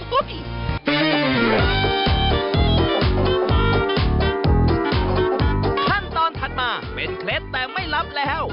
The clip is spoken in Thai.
ขั้นตอนถัดมาเป็นเคล็ดแต่ไม่รับแล้ว